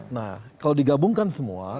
nah kalau digabungkan semua